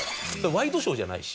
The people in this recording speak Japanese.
ワイドショーじゃないし。